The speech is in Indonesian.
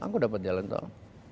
aku dapat jalan tol